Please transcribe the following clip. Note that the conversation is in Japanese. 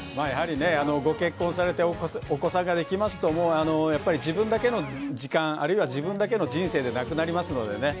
やはり、ご結婚されてお子さんができますと自分だけの時間あるいは自分だけの人生ではなくなりますので。